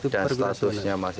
dan statusnya masih